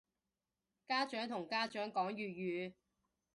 家長同家長講粵語